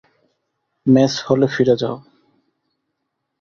Mace হলে ফিরে যাও!